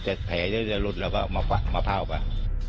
ถ้าแผลจะลุดเราก็มาเผามา